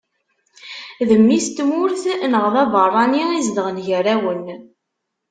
D mmi-s n tmurt neɣ d abeṛṛani izedɣen gar-awen.